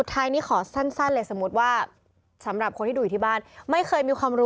ต้องเดินไปที่ธนาคาร